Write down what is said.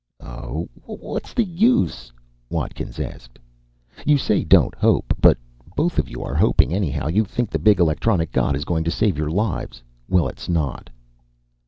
"Oh, what's the use?" Watkins asked. "You say don't hope but both of you are hoping anyhow! You think the big electronic god is going to save your lives. Well, it's not!"